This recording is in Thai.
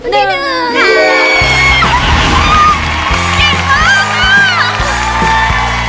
วันที่๑